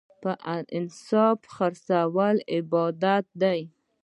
په انصاف خرڅول عبادت دی.